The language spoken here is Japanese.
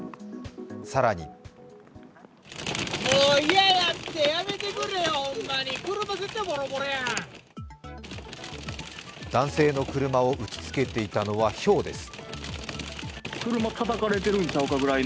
更に男性の車を打ち付けていたのはひょうです。